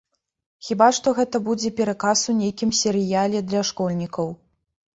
Хіба што гэта будзе пераказ у нейкім серыяле для школьнікаў.